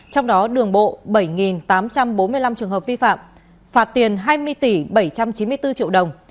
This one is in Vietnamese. trong đó đường bộ bảy tám trăm bốn mươi năm trường hợp vi phạm phạt tiền hai mươi tỷ bảy trăm chín mươi bốn triệu đồng